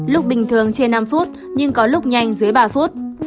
lúc bình thường trên năm phút nhưng có lúc nhanh dưới ba phút